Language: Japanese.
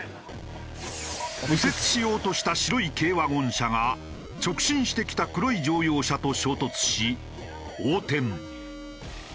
右折しようとした白い軽ワゴン車が直進してきた黒い乗用車と衝突し横転。